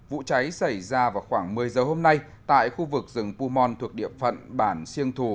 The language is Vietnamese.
vụ cháy xảy ra vào khoảng một mươi giờ hôm nay tại khu vực rừng pumon thuộc địa phận bản siêng thù